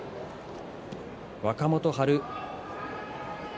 若元春。